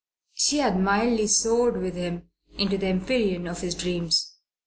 She had mildly soared with him into the empyrean of his dreams.